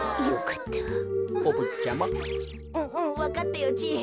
わかったよじい。